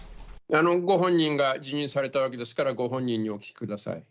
ご本人が辞任されたわけですから、ご本人にお聞きください。